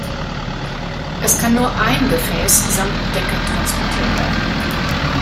Es kann nur ein Gefäß samt Deckel transportiert werden.